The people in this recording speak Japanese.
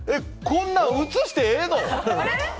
こんなん映してええの？